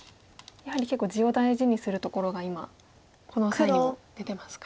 やはり結構地を大事にするところが今この際にも出てますか。